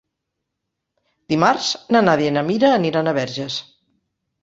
Dimarts na Nàdia i na Mira aniran a Verges.